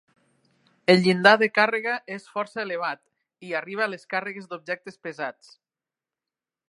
El llindar de càrrega és força elevat, i arriba a les càrregues d'objectes pesats.